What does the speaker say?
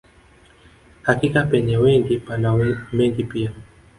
Hakika penye wengi pana mengi pia